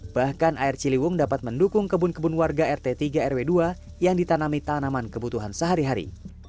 bahkan air ciliwung dapat mendukung kebun kebun warga rt tiga rw dua yang ditanami tanaman kebutuhan sehari hari